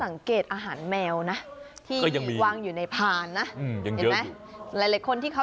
ฉันสังเกตอาหารแมวนะที่วางอยู่ในพานนะ